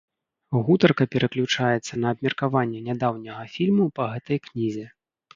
Гутарка пераключаецца на абмеркаванне нядаўняга фільму па гэтай кнізе.